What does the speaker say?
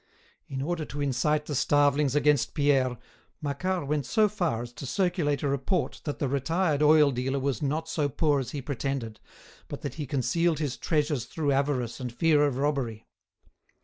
In order to incite the starvelings against Pierre, Macquart went so far as to circulate a report that the retired oil dealer was not so poor as he pretended, but that he concealed his treasures through avarice and fear of robbery.